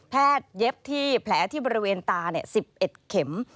เย็บที่แผลที่บริเวณตา๑๑เข็ม